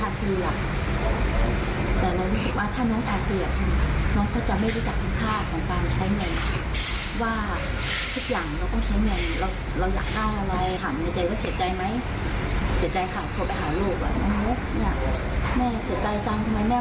แม่ชอบสมทรีย์เป็นอะไรลูกสาวก็บอกว่า